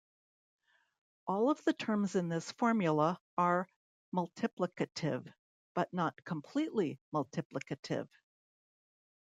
All of the terms in this formula are multiplicative, but not completely multiplicative.